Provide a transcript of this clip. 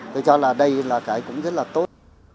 tôi cho là đây là cái cũng rất là tốt